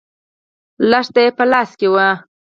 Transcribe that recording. لښته يې په لاس کې وه.